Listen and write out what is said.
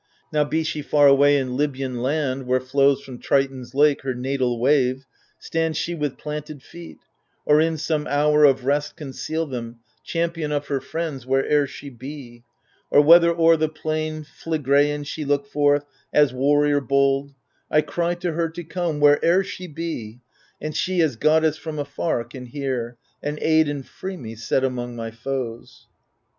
Now, be she far away in Libyan land Where flows from Triton's lake her natal wave, — Stand she with planted feet,^ or in some hour Of rest conceal them, champion of her friends Where'er she be, — or whether o'«: the plain Phlegraean she look forth, as warrior bold — I cry to her to come, where'er she be, (And she, as goddess, from afar can hear,) And aid and free me, set among my foes.